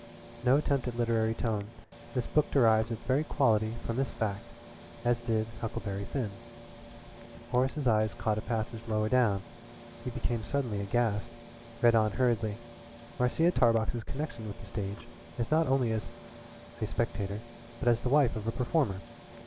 "No attempt at literary tone; the book derives its very quality from this fact, as did 'Huckleberry Finn.'" Horace's eyes caught a passage lower down; he became suddenly aghast read on hurriedly: "Marcia Tarbox's connection with the stage is not only as a spectator but as the wife of a performer.